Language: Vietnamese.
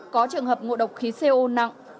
có trường hợp ngộ độc khí co nặng